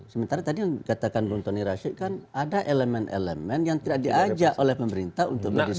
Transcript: sementara tadi yang katakan buntuni rasid kan ada elemen elemen yang tidak diajak oleh pemerintah untuk berdiskusi